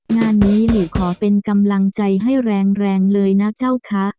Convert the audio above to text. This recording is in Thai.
งานนี้หนูขอเป็นกำลังใจให้แรงเลยนะเจ้าคะ